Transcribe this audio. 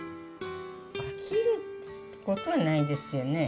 飽きることはないですよね。